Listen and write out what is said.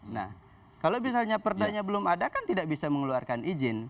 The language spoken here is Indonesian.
nah kalau misalnya perdanya belum ada kan tidak bisa mengeluarkan izin